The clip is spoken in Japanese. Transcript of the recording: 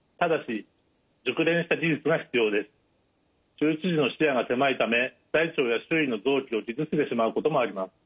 手術時の視野が狭いため大腸や周囲の臓器を傷つけてしまうこともあります。